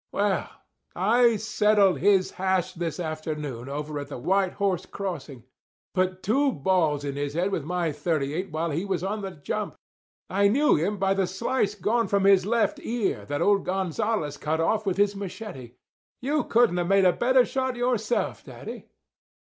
Well, I settled his hash this afternoon over at the White Horse Crossing. Put two balls in his head with my .38 while he was on the jump. I knew him by the slice gone from his left ear that old Gonzales cut off with his machete. You couldn't have made a better shot yourself, daddy."